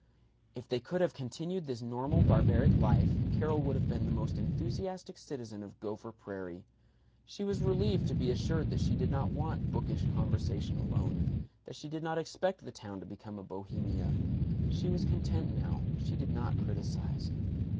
If they could have continued this normal barbaric life Carol would have been the most enthusiastic citizen of Gopher Prairie. She was relieved to be assured that she did not want bookish conversation alone; that she did not expect the town to become a Bohemia. She was content now. She did not criticize.